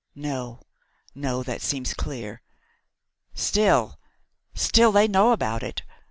"No! no! that seems clear. Still! still! they know about it.